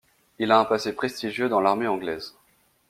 Il a un passé prestigieux dans l'armée anglaise.